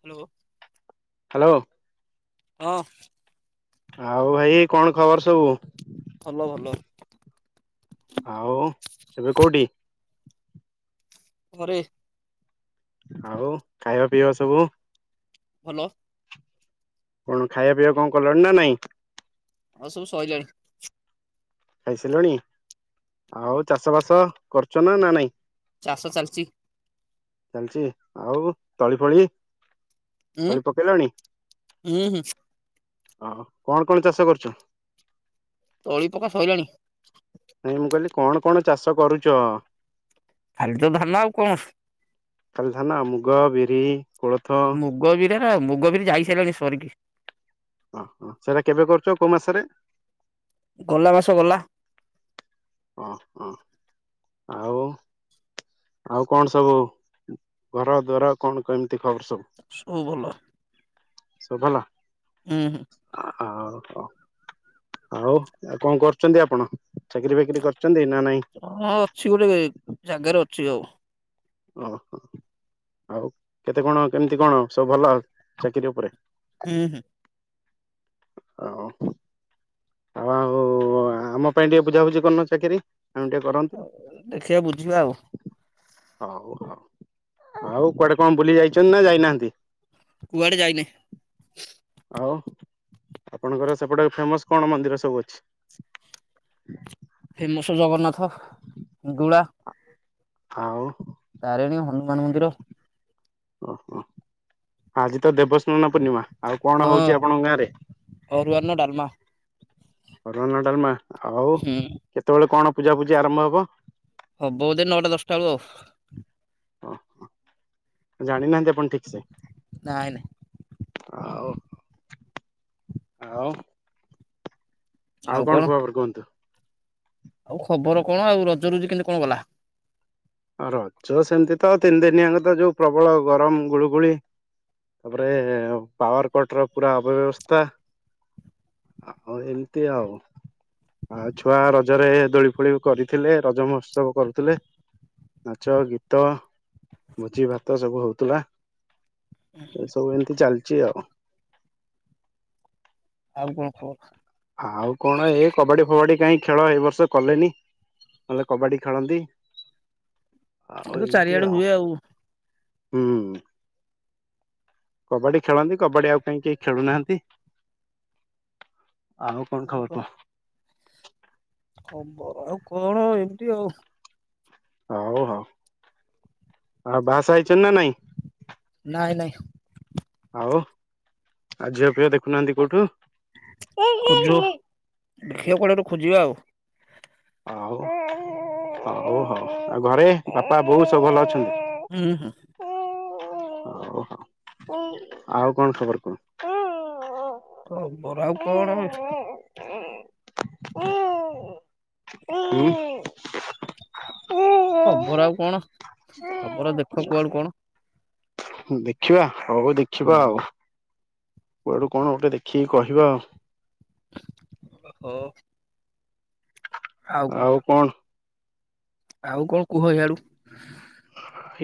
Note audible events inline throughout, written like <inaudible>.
Hello. Hello. ହଁ ଆଉ ଭାଇ କଣ ଖବର ସବୁ? ଭଲ ଭଲ। ଆଉ ଏବେ କୋଉଠି? ଘରେ। ଆଉ ଖାଇବା ପିଇବା ସବୁ। ଭଲ। କଣ ଖାଇବା ପିଇବା କଣ କଲଣି ନା ନାଇଁ? ଆଉ ସବୁ ସଇଲାଣି। ଖାଇ ସାଇଲୁଣି ଆଉ ଚାଷ ବାସ କରୁଛ ନା ନା ନାଇଁ। ଚାଷ ଚାଲିଛି। ଚାଲିଛି ଆଉ ତଳି ଫଳି। ଉଁ ତଳି ପକେଇଲଣି ହୁଁ ହୁଁ। ହ, କଣ କଣ ଚାଷ କରୁଛୁ? ତଳି ପକା ସଇଲାଣି। ନାଇଁ ମୁଁ କହିଲି କଣ କଣ ଚାଷ କରୁଛ? ଖାଲି ତ ଧାନ ଆଉ କଣ? ଖାଲି ଧାନଆଉ ମୁଗ, ବିରି, କୋଳଥ। ମୁଗ ମୁଗ ବିରି ଯାଇ ସାଇଲାଣି ସରିକି। ଓ ହୋ ସେଇଟା କେବେ କରୁଛ କୋଉ ମାସରେ? ଗଲା ମାସ ଗଲା। ଓହୋ ଆଉ ଆଉ କଣ ସବୁ ଘର ଦ୍ୱାର କଣ କେମିତି? ଖବର ସବୁ ଭଲ। ସଵ ଭଲ। ହୁଁ ହୁଁ। ହଉ ହଉ ଆଉ ଆଉ କଣ କରୁଛନ୍ତି ଆପଣ? ଚାକିରି ଫାକିରି କରୁଛନ୍ତି ନା ହଁ ଅଛି ଗୋଟେ ନାଇଁ। ଜାଗାରେ ଅଛି ଆଉ ଓହୋ ଆଉ କେତେ କଣ କେମିତି କଣ ସବୁ ଭଲ ଚାକିରି ଉପରେ? ହୁଁ ହୁଁ। ହଉ ଆଉ ଆଉ ଆମ ପାଇଁ ଟିକେ ବୁଝାବୁଝି କରୁନ ଚାକିରି। ଆମେ ଟିକେ କରନ୍ତୁ ଉ ଦେଖିବା ବୁଝିବା ଆଉ। ହଉ ହଉ ଆଉ କୁଆଡେ କଣ ବୁଲି ଯାଇଛନ୍ତି ନା ଯାଇନାହାନ୍ତି। କୁଆଡେ ଯାଇନି। ଆଉ ଆପଣଙ୍କର ସେପଟେ ଫେମସ୍ କଣ ମନ୍ଦିର ସବୁ ଅଛି? ଫେମସ ଜଗନ୍ନାଥ ଗୁଳା ଆଉ। ତାରିଣୀ, ହନୁମାନ ମନ୍ଦିର। ଓହୋ, ଆଜି ତ ଦେବସ୍ନାନ ପୂର୍ଣ୍ଣିମା। ଆଉ କଣ ହଁ ହଉଛି ଆପଣଙ୍କ ଗାଁ ରେ? ଅରୁଆ ଅନ୍ନ ଡାଲମା ଅରୁଆ ଅରନ୍ନ ଡାଲମା ଆଉ ହୁଁ କେତେବେଳେ କଣ ପୂଜା ପୂଜି ଆରମ୍ଭ ହବ? ହବ ବୋଧେ ନଅଟା ଦଶଟା ବେଳକୁ ଆଉ। ଓହ, ଜାଣିନାହାନ୍ତି ଆପଣ ଠିକ ସେ। ନାଇଁ ନାଇଁ। ଆଉ ଆଉ। ଆଉ କଣ କୁହ ବର କୁହନ୍ତୁ। ଆଉ ଖବର କଣ? ଆଉ ରଜ ରୁଜି କେମତି କଣ ଗଲା? ରଜ ସେମିତି ତ ତିନି ଦିନି ଆଙ୍କ ତ ଯୋଉ ପ୍ରବଳ ଗରମ ଗୁଳୁଗୁଳି। ତାପରେ ପାୱାର କଟ ର ପୁରା ଅବବ୍ୟବସ୍ଥା। ଆଉ ଏମିତି ଆଉ। ଆଉ ଛୁଆ ରଜରେ ଦୋଳି ଫୋଳି କରିଥିଲେ ରଜ ମହୋତ୍ସବ କରୁଥିଲେ। ନାଚ ଗୀତ ଭୋଜି ଭାତ ସବୁ ହଉଥିଲା। ଏସବୁ ଏମିତି ଚାଲିଛି ଆଉ। ଆଉ କଣ ଖବର? ଆଉ କଣ ଏ କବାଡି ଫବାଡି କାହିଁ ଖେଳ ଏ ବର୍ଷ କଲେନି। ନହଲେ କବାଡି ଖେଳନ୍ତି। ଏ ଆଉ ତ ଚାରି ଏମିତି ଆଡେ ହୁଏ ଆଉ। ହୁଁ। କବାଡି ଖେଳନ୍ତି କବାଡି ଆଉ କାହିଁ କେହି ଖେଳୁନାହାନ୍ତି। ଆଉ କଣ ନାଇଁ ଖବର ବା କୁହ? ଖବର ଆଉ କଣ ଏମିତି ଆଉ। ହଉ ହଉ ଆଉ ବାହା ସାହା ହେଇଛନ୍ତି ନା ନାଇଁ। ନାଇଁ ନାଇଁ। ଆଉ ଆ ଝିଅ ଫିଅ ଦେଖୁନାହାନ୍ତି କୋଉଠୁ। ଝିଅ କଉଠି ଗୋଟେ ଖୋଜିବା ଆଉ। ହଉ ହଉ ହଉ ଆଉ ଘରେ ବାପା ବୋଉ ସବୁ ଭଲ ଅଛନ୍ତି ହୁଁ ହୁଁ ଓହୋ ଆଉ କଣ ଖବର କୁହ? ହଁ ମୋର ଆଉ କଣ। ହୁଁ। ଖବର ଆଉ କଣ ଖବର ଦେଖ କୁଆଡୁ କଣ। ଦେଖିବା ହଉ ଦେଖିବା ଆଉ। ହୁଁ କୁଆଡୁ କଣ ଗୋଟେ ଦେଖିକି କହିବା ଆଉ। ହଉ। ଆଉ କଣ? ଆଉ କଣ କୁହ ଇଆଡୁ।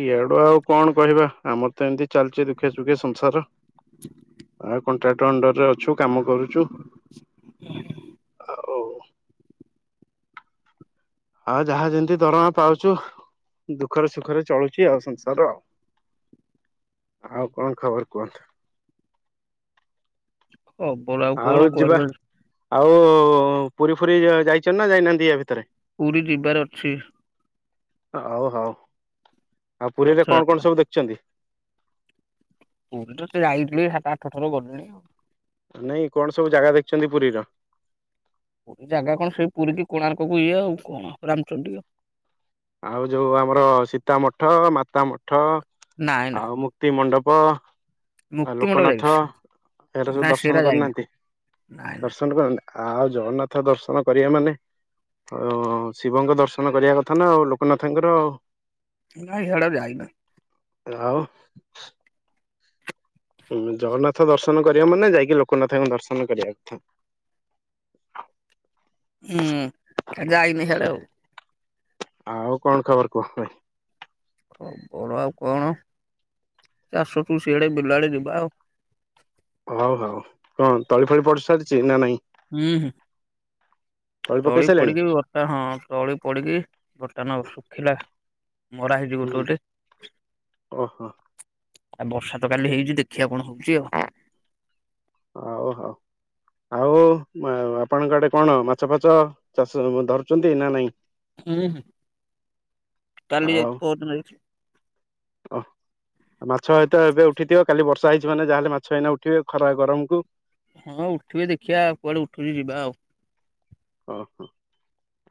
ଇଆଡୁ ଆଉ କଣ କହିବା ଆମର ତ ଏମିତି ଚାଲିଚି ଦୁଖେ ସୁଖେ ସଂସାର ଆ କଣ୍ଟ୍ରାକ୍ଟର ଅଣ୍ଡରରେ ଅଛୁ କାମ। କରୁଛୁ ଆଉ। ଆଉ ଯାହା ଯେମିତି ଦରମା ପାଉଛୁ। ଦୁଖରେ ସୁଖରେ ଚଳୁଛି ଆଉ ସଂସାର ଆଉ। ଆଉ କଣ ଖବର କୁହନ୍ତୁ? ଖବର ଆଉ କଣ କୁଆଡେ। <unintelligible> ଆଉ ପୁରୀ ଫୁରି ଯା-ଯାଇଛନ୍ତି ନା ଯାଇ ନାହାନ୍ତି ୟା ଭିତରେ। ପୁରୀ ଯିବାର ଅଛି। ହଉ ହଉ ଆଉ ପୁରୀରେ କଣ ରଥଯାତ୍ରା କଣ ସବୁ ଦେଖିଛନ୍ତି? ପୁରୀ ତ ସେ ଯାଇଥିଲି ସାତ ଆଠ ଥର ଗଲିଣି ଆଉ। ନାଇଁ କଣ ସବୁ ଜାଗା ଦେଖିଛନ୍ତି ପୁରୀର? ପୁରୀ ଜାଗା କଣ ସେଇ ପୁରୀ କି କୋଣାର୍କକୁ ଇଏ ଆଉ କଣ ରାମଚଣ୍ଡୀ। ଆଉ ଯୋଉ ଆମର ସୀତା ମଠ ମାତା ମଠ ନାଇଁ ନା ଆଉ ମୁକ୍ତି ମଣ୍ଡ ହ। ଆଉ ମୁକ୍ତିମଣ୍ଡପ ଲୋକନାଥ ଯାଇଛି। ଏହାର ସବୁ ନାଇଁ ଦର୍ଶନ ସେରା ଯାଇନି କରିନାହାନ୍ତି ନାଇଁ ଦର୍ଶନ କ ଆଉ ଜଗନ୍ନାଥ ଦର୍ଶନ କରିବା ମାନେ ଅ ଶିବଙ୍କ ଦର୍ଶନ କରିବା କଥା ଥା ନା ଆଉ ଲୋକନାଥଙ୍କର ଆଉ। ନାଇଁ ସିଆଡ଼େ ଆଉ ଯାଇ ନା। ଆଉ। ହୁଁ, ଜଗନ୍ନାଥ ଦର୍ଶନ କରିବ ମାନେ, ଯାଇକି ଲୋକନାଥଙ୍କ ଦର୍ଶନ କରିବା କଥା। <unintelligible> ହୁଁ ଯାଇନି ସିଆଡେ ଆଉ। ଆଉ କଣ, ଖବର କୁହ ଭାଇ? ହଁ, ବଡ ଆଉ କଣ? ସେ ଆସ ତୁ ଶିଆଡ଼େ ବିଲ ଆଡ଼େ ଯିବା। ହଉ, ହଉ। କଣ ତଳି, ଫଳି ପଡି ସାରିଛି ନା ନାଇଁ? ହୁଁ, ହୁଁ। ପକେଇ ତଳି ସାରିଲେଣି? ପଡିକି ବର୍ଷା, ହଁ ତଳି ପଡିକି ବର୍ଷା ନୁହଁ ଶୁଖିଲା। ମରା ହେଇଛି ଗୋଟେ, ହୁଁ ଗୋଟେ। ଓହୋ ଆଉ ବର୍ଷା ତ କାଲି ହେଇଛି। ଦେଖିବା କଣ, ହଉଛି ଆଉ। ହଉ, ହଉ। ଆଉ। ଓ, ମା ଆପଣଙ୍କ ଆଡେ କଣ? ମାଛ, ଫାଛ ଚାଷ ଧରୁଛନ୍ତି ନା ନାଇଁ? ହୁଁ, ହୁଁ। କାଲି ଯାଇ, ପହର ଦିନ ଯାଇ ଅ, ମାଛ ହେଇତ ଏବେ ଉଠିଥିବ। କାଲି ବର୍ଷା ହେଇଛିି ମାନେ, ଯା ହେଲେ ମାଛ ଏଇନା ଉଠିବେ, ଖରା ଗରମ କୁ। ହଁ ଉଠିବେ ଦେଖିବା, କୁଆଡେ ଉଠୁଛି ଯିବା ଆଉ। ଓ, ହୋ।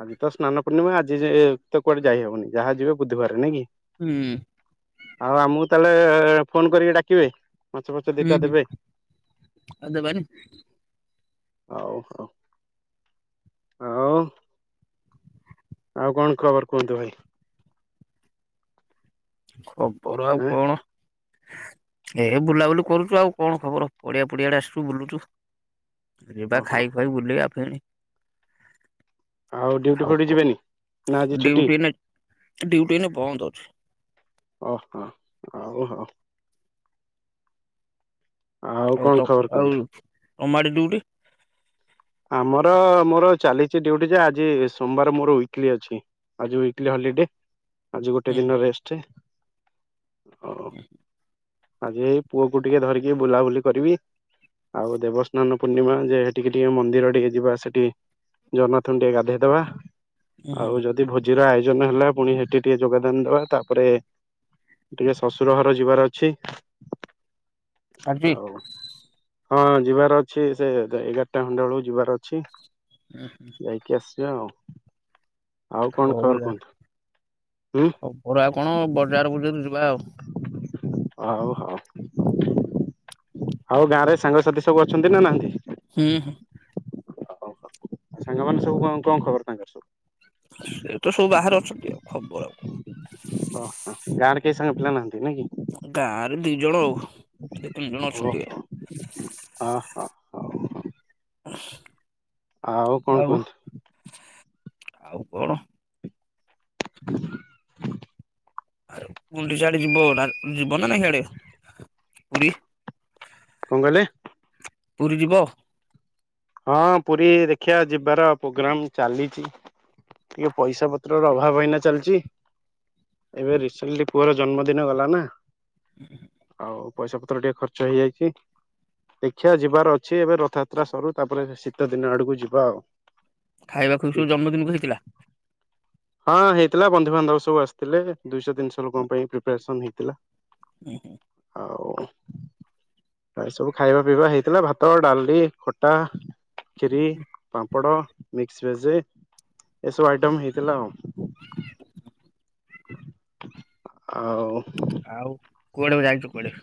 ଆଜି ତ ସ୍ନାନ ପୂର୍ଣ୍ଣିମା। ଆଜି ଯାଏ ଏତେ କୁଆଡେ ଯାଇହବନି। ଯାହା ଯିବେ ବୁଧୂବାରେ ନାଇଁ କି? ହୁଁ। ଆଉ ଆମକୁ ତାହେଲେ ଫୋନ୍ କରିକି ଡାକିବେ? ମାଛ, ଫାଚ ହୁଁ ଦିଟା ହୁଁ। ଦେବେ। ଆଉ ଦେବାନି ହଉ, ହଉ। ଆଉ ଆଉ କଣ, ଖବର କୁହନ୍ତୁ ଭାଇ? ଖବର ଆଉ, ଆଁ କଣ। ଏ ବୁଲାବୁଲି କରୁଛୁ। ଆଉ କଣ ଖବର? ପଡିଆ, ପଡିଆ ଆଡ଼େ ଆସୁଛୁ ବୁଲୁଛୁ। ରେବା ଓହୋ ଖାଇ ଖୁଆଇ ବୁଲିବା ଫୁଣି। ଆଉ ଡ୍ୟୁଟି, ଫୁଟି ଯିବେନି। ନା ଆଜି ଛୁଟି? ଡ୍ୟୁଟି ୟାନା ବନ୍ଦ ଅଛି। ଓ, ହୋ। ହଉ, ହଉ। ଆଉ ତ କଣ, ଖବର ଆଉ କୁହନ୍ତୁ? ତମାଡି ଡିଉଟି ଆମର ମୋର ଚାଲିଛି ଡ୍ୟୁଟି, ଯେ ଆଜି ସୋମବାର ମୋର ୱିକଲି ଅଛି। ଆଜି ୱିକଲି ହଲିଡେ। ଆଜି ଗୋଟେ ହୁଁ ଦିନ ରେଷ୍ଟ। ଆଉ ହ। ଆଜି ଏଇ ପୁଅ କୁ ଟିକେ ଧରିକି, ବୁଲାବୁଲି କରିବି। ଆଉ ଦେବସ୍ନାନ ପୂର୍ଣ୍ଣିମା ଯେ ଏଠି କିଟି, ମନ୍ଦିର ଟିକେ ଯିବା ସେଠି। ଜଗନ୍ନାଥ ଙ୍କୁ ଟିକେ ଗାଧେଇଦବା। ହୁଁ ଆଉ ଯଦି ଭୋଜିର ଆଇ ଜନ, ହେଲା। ଫୁଣି ହେଟି ଟିକେ ଯୋଗଦାନ ଦବା। ତାପରେ ଟିକେ ଶଶୁର ଘର ଯିବାର ଅଛି। ଆଜି? ଆଉ ହଁ ଯିବାର ଅଛି। ସେ ଏ, ଏଗାର ଟା ଖଣ୍ଡେ ବେଳକୁ ଯିବାର ଅଛି। ହୁ ହୁ। ଇ ଆଉ। ଆଉ, କଣ ଖବର କୁହନ୍ତୁ? ହୁଁ ଓପରୁ ଆଉ କଣ ବଜାର ପର୍ଯ୍ୟନ୍ତ ଯିବା ଆଉ। ହଉ ହଉ। ଆଉ ଗାଁ ରେ ସାଙ୍ଗସାଥି ସବୁ ଅଛନ୍ତି, ନା ନାହାନ୍ତି? ହୁଁ ହୁଁ। ସାଙ୍ଗମାନେ ସବୁ କଣ, କଣ ଖବର ତାଙ୍କର ସବୁ? ସେ ତ ସବୁ ବାହାରେ ଅଛନ୍ତି। ଆଉ ଖବର କଣ? ଓହୋ ଗାଁରେ କେହି ସାଙ୍ଗ ପିଲା ନାହାନ୍ତି? ନାଇଁ କି? ଗାଁ ରେ ଦିଇ ଜଣ ଆଉ ସେ ତିନି ଜଣ ଓ ଅଛନ୍ତି ଆଉ। ହଁ ହଁ ହଉ ଆଉ କଣ କୁହନ୍ତୁ? ଆଉ କଣ? <unintelligible> ଆଉ ଗୁଣ୍ଡି ଚାଡେ ଯିବ ଯିବ ନା ନାହିଁ ହ୍ଯାଡେ ପୁରୀ କଣ କହିଲେ? ପୁରୀ ଯିବ? ହଁ ପୁରୀ ଦେଖିବା ଯିବାର ପ୍ରୋଗ୍ରାମ ଚାଲିଚି ଟିକେ ପଇସା ପତ୍ର ର ଅଭାବ ଏଇନା ଚାଲିଚି ଏବେ ରିସେଣ୍ଟଲି ପୁଅର ଜନ୍ମଦିନ ଗଲା ନା ଆଉ ପଇସା ପତ୍ର ଟିକେ ଖର୍ଚ୍ଚ ହେଇଯାଇଚି ଦେଖିବା ଯିବାର ଅଛି ଏବେ ରଥଯାତ୍ରା ସରୁ ତାପରେ ଶୀତ ଦିନ ଆଡକୁ ଯିବା ଆଉ। ଖାଇବାକୁ ସବୁ ଜନ୍ମଦିନକୁ ହେଇଥିଲା। ହଁ ହେଇଥିଲା ବନ୍ଧୁବାନ୍ଧବ ସବୁ ଆସିଥିଲେ ଦୁଇଶହ ତିନିଶହ ଲୋକଙ୍କ ପାଇଁ ପ୍ରିପାରେସନ ହେଇଥିଲା। ଉହୁଁ। ଆଉ ଏ ଏ ସବୁ ଖାଇବା ପିଇବା ହେଇଥିଲା। ଭାତ ଡାଲିଲି ଖଟା ଖିରି, ପାମ୍ପଡ଼, ମିକସ ଭେଜ ଏସବୁ ଆଇଟମ ହେଇଥିଲା ଆଉ। ଆଉ ଆଉ କୁଆଡେ ଯାଇଚ କୁଆଡେ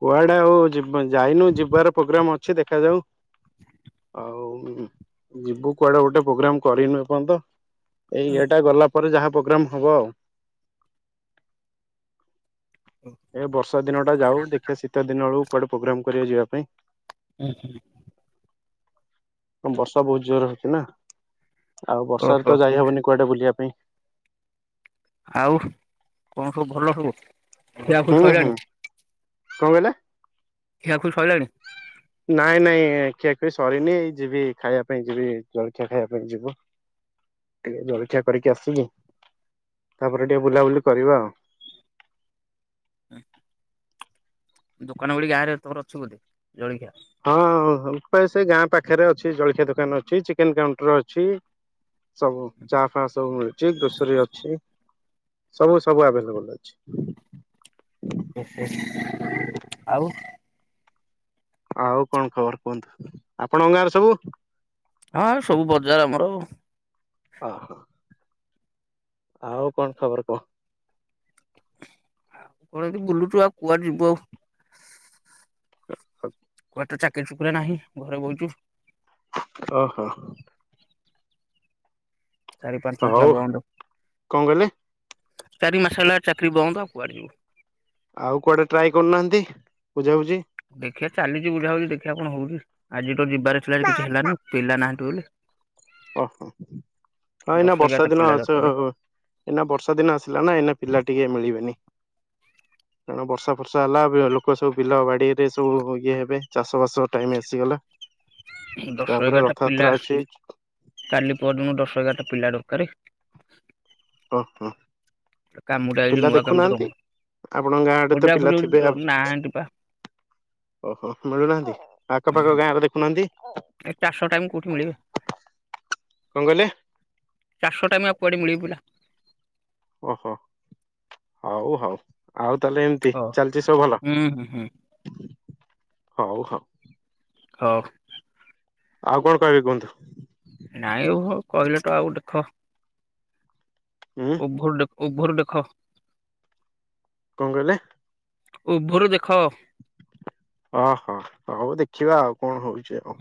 କୁଆଡେ ଆଉ ଯାଇନୁ ଯିବାର ପ୍ରୋଗ୍ରାମ ଅଛି ଦେଖାଯାଉ। ଆଉ ଯିବୁ କୁଆଡେ ଗୋଟେ ପ୍ରୋଗ୍ରାମ କରିନୁ ଏପନ୍ତ ଏଇ ଏଟା ଗଲା ପରେ ଯାହା ପ୍ରୋଗ୍ରାମ ହବ ଆଉ। ଏ ବର୍ଷା ଦିନ ଟା ଯାଉ ଦେଖ ଦିନ ବଳକୁ କୁଆଡେ ପ୍ରୋଗ୍ରାମ କରିବା ଯିବା ପାଇଁ। ଉହୁଁ। ବର୍ଷା ବହୁତ ଜୋରେ ହୋଉଚି ନା। ଆଉ ବର୍ଷାରେ ଓହୋ ତ ଯାଇ ହବନି କୁଆଡେ ବୁଲିବା ପାଇଁ। ଆଉ କଣ ସବୁ ଭଲ ହବୁ ଖିଆ ଖୁଇ ହୁଁ ହୁଁ ସଇଲାଣି ସବୁ କଣ କହିଲେ? ଖିଆ ଖୁଲ ସଇଲାଣି? ନାଇଁ ନାଇଁ ଖିଆଖରି ସରିନି ଯିବି ଖାଇବା ପାଇଁ ଯିବି ଜଳଖିଆ ଖାଇବା ପାଇଁ ଯିବୁ ଟିକେ ଜଳଖିଆ କରିକି ଆସିଲି ତାପରେ ଟିକେ ବୁଲାବୁଲି କରିବା ଆଉ। ଉଁ। ଦୋକାନ ଗ ଗାଁରେମର ଅଛି ବୋଧେ ଜଳଖିଆ ହଁ ସେ ଗାଁ ପାଖରେ ଅଛି ଜଳଖିଆ ଦୋକାନ ଅଛି ଚିକେନ କାଉଣ୍ଟର ଅଛି। ସବୁ ଚା ଫା ସବୁ ମିଳୁଚି ଗୋଲସରି ଅଛି। ସବୁ ସବୁ ଆଭେଲେବୁଲ ଅଛି। ଉହୁଁ ଆଉ। ଆଉ କଣ ଖବର କୁହନ୍ତୁ ଆପଣ ଗାଁରେ ସବୁ ହଁ ସବୁ ବଜାର ଆମର ଆଉ। ଅହ। ଆଉ କଣ ଖବର କୁହ? ଆଉ କଣ ଏ ବୁଲୁଚୁ ଆଉ କୁଆଡେ ଯିବୁ ଆଉ। ହ କୁଆଡେ ଚାକିରି ଚୁକରି ନାହିଁ ଘରେ ବଇଚୁ ଓହୋ। ଚାରି ପାଞ୍ଚ ମାର୍ସଲା ହଉ ବନ୍ଦ। କଣ କହିଲେ ଚାରି ମାସ ହେ ଚାକିରି ବନ୍ଦ ଆଉ କୁଆଡେ ଯିବୁ ଆଉ କୁଆଡେ ଟ୍ରାଏ କରୁନାହାନ୍ତି ବୁଝାୁଝ ଦେଖିଆ ଚାଲିଚି ବୁଝା ବୁଛି ଦେଖିବା କଣ ହଉଚି ଆଜି ତ ଯିବାର ଥିଲା ଯେ କିଛି ହେଲାନି ପିଲା ନାହାନ୍ତି ବୋଲି। ଓ ହୋ। ହଁ ଏଇନା ଦଶ ବର୍ଷା ଏଗାରଟା ଦିନ ପିଲା ସ ଦରକାର ଏଇନା ବର୍ଷା ଦିନ ଆସିଲା ନା ଏଇନା ପିଲା ଟିକେ ମିଳିବେନି। କଣ ବର୍ଷା ଫର୍ଷା ହେଲା ଏବେ ଲୋକ ସବୁ ବିଲ ବାଡିରେ ସବୁ ଇଏ ହେବେ ଚାଷ ବାସ ଟାଇମ ଆସିଗଲା। ଦଶ ତାପରେ ଏଗାରଟା ପିଲା ରଥଯାତ୍ରା ଅଛି କାଲି ପରଦିନ ଦଶ ଏଗାରଟା ପିଲା ଦରକାର ଓ ହୋ। କାମୁଟା ଆଇଚି ନୂଆ କାମ ଟା ର ଆପଣଙ୍କ ଗାଁ ଆଡେ ତ ପିଲା ଥିବେ ଆଉ ନାହାନ୍ତି ପା ଓହୋ ମିଳୁନାହାନ୍ତି ଆଖପାଖ ହୁଁ ଗାଁରେ ଦେଖୁନାହାନ୍ତି। ଏ ଚାଷ ଟାଇମ କୋଉଠି ମିଳିବେ। କଣ କହିଲେ ଚାଷ ଟାଇମ ଆଉ କୁଆଡେ ମିଳିବେ ପିଲା ଓହୋ ହଉ ହଉ ଆଉ ତାହେଲେ ଏମିତି ହଁ ଚାଲିଛି ସବୁ ଭଲ ହୁଁ ହୁଁ ହୁଁ ହଉ ହଉ। ହଉ ଆଉ କଣ କହିବି କୁହନ୍ତୁ? ନାଇଁ ଆଉ କହିଲେ ତ ଆଉ ଦେଖ ଉଁ ଉଭର ଦେଖ ଉଭର ଦେଖ କଣ କହିଲେ? ଉଭର ଦେଖ ଓହୋ ହଉ ଦେଖିବା ଆଉ କଣ ହଉଛି ଆଉ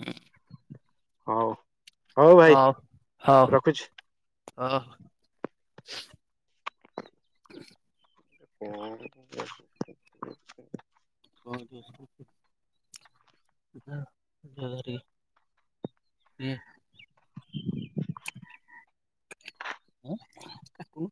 ହଉ ହଉ ଭାଇ ରଖୁଚି। ହଁ। <unintelligible> <unintelligible> ହ ଜଆି ହଁ ଆ କକୁ